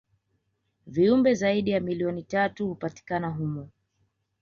viumbe zaidi ya milioni tatu hupatikana humo